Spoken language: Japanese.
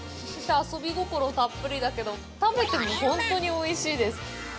遊び心たっぷりだけど食べても本当においしいです。